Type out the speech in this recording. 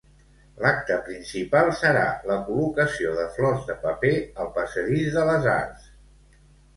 L'acte principal serà la col·locació de flors de paper al Passadís de les Arts.